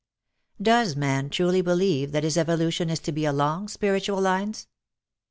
Does man truly believe that his evolution is to be along spiritual lines ?